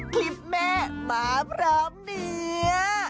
คลิปแม่มาพร้อมเนี่ย